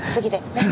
ねっ？